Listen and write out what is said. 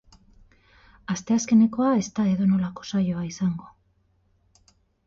Asteazkenekoa ez da edonolako saioa izango.